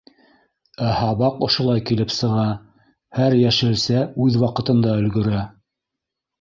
— Ә һабаҡ ошолай килеп сыға: һәр йәшелсә үҙ ваҡытында өлгөрә.